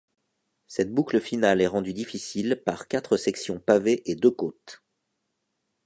Cette boucle finale est rendue difficile, par quatre sections pavées et deux côtes.